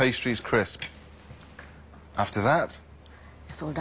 そうだ。